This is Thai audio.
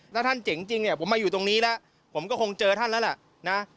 ถ้าท่านเจ๋งจริงเนี่ยผมมาอยู่ตรงนี้แล้วผมก็คงเจอท่านแล้วล่ะนะ